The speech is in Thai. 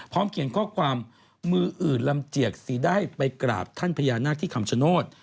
เขียนข้อความมืออื่นลำเจียกสีได้ไปกราบท่านพญานาคที่คำชโนธ